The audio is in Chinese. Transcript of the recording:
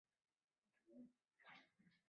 他从伦敦圣三一音乐学院毕业。